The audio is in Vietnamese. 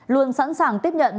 luôn sẵn sàng tiếp nhận